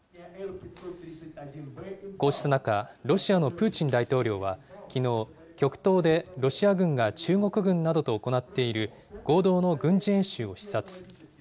こうした中、ロシアのプーチン大統領はきのう、極東でロシア軍が中国軍などと行っている合同の軍事演習を視察。